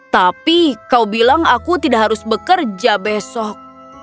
tapi kau bilang aku tidak harus bekerja besok